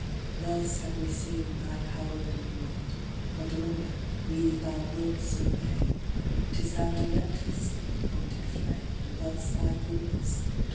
' Thus have we {ctn thy power and might, Adoring, we thy works hirvcy ; *Tis thou direft'fl the pointed flame, An4 thus thy goodnefs doft4i(fJay.